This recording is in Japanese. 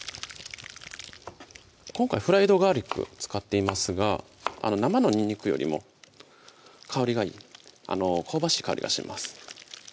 今回フライドガーリック使っていますが生のにんにくよりも香りがいい香ばしい香りがします